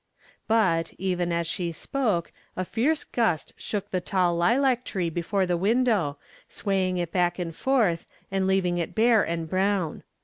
But, even as she spoke, a, fierce gust shook the tail lUac tree before the window, swaying it back and forth, and leaving it bare and brown.